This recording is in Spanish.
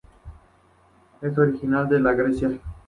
Es originaria de Grecia.